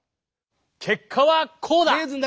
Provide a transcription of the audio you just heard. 結果はこうだ！